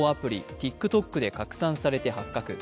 ＴｉｋＴｏｋで拡散されて発覚。